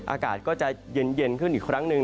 อากาศก็จะเย็นขึ้นอีกครั้งหนึ่ง